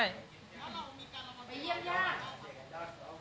ไปเยี่ยมยาก